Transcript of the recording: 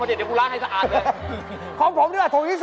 เราเองก็อย่าได้ฟรอนขอบางที